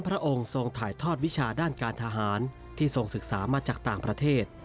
พระองค์ทรงถ่ายทอดวิชาด้านการทหารที่ทรงศึกษามาจากต่างประเทศ